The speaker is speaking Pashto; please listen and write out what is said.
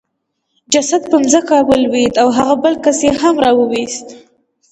جسد په ځمکه ولوېد او هغه بل کس یې هم راوست